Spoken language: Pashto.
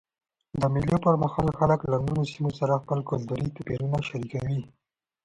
د مېلو پر مهال خلک له نورو سیمو سره خپل کلتوري توپیرونه شریکوي.